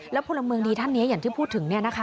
แล้วพลเมืองดีท่านนี้อย่างที่พูดถึง